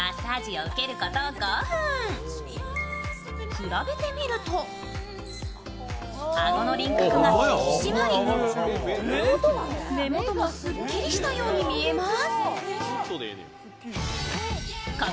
比べてみると、あごの輪郭が引き締まり、目元もすっきりしたように見えます。